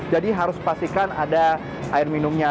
jadi harus pastikan ada air minumnya